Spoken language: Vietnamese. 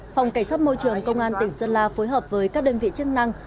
phòng cải sắp môi trường công an tỉnh sơn la phối hợp với các đơn vị chức năng